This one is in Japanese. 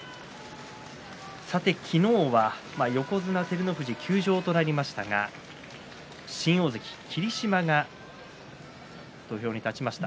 昨日は横綱照ノ富士休場となりましたが新大関霧島が土俵に立ちました。